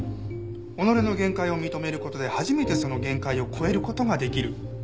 己の限界を認める事で初めてその限界を超える事ができる。